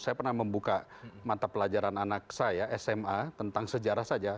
saya pernah membuka mata pelajaran anak saya sma tentang sejarah saja